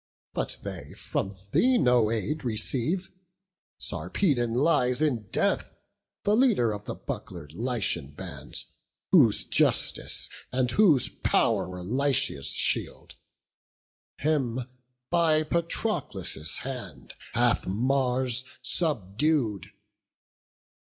but they from thee No aid receive; Sarpedon lies in death, The leader of the buckler'd Lycian bands, Whose justice and whose pow'r were Lycia's shield; Him by Patroclus' hand hath Mars subdued.